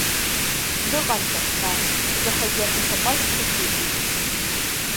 Дыҟан, саҳәшьа, жәахагьы аҳәаса ҟәазқәа ықәиҵеит.